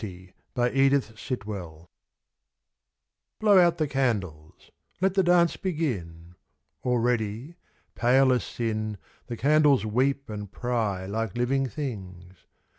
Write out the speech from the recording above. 37 B EDITH S1TWELL. GAIETY. L< >\Y out the candles. Let the dance begin. Already, pale as Sin The candles weep and pry like living things.